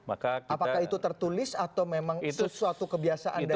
apakah itu tertulis atau memang sesuatu kebiasaan dari